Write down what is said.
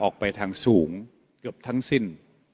ออกไปทางสูงเกือบทั้งสิ้น